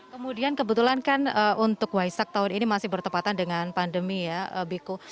kemudian kebetulan kan untuk waisak tahun ini masih bertepatan dengan pandemi ya biku